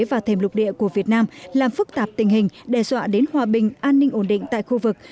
và thềm lục địa của việt nam làm phức tạp tình hình đe dọa đến hòa bình an ninh ổn định tại khu vực